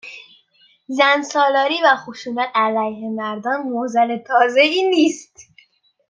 زن سالاری و خشونت علیه مردان معضل تازه ای نیست